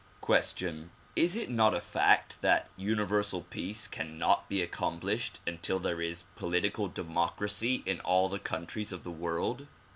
Question : Is it not a fact that Universal Peace cannot be accom plished until there is political democracy in all the countries of the world